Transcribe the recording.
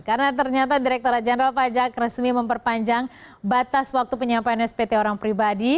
karena ternyata direkturat jenderal pajak resmi memperpanjang batas waktu penyampaian spt orang pribadi